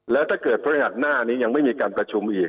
แล้วถ้าเกิดพฤหัสหน้านี้ยังไม่มีการประชุมอีก